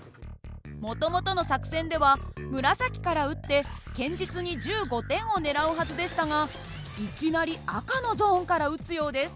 もともとの作戦では紫から撃って堅実に１５点を狙うはずでしたがいきなり赤のゾーンから撃つようです。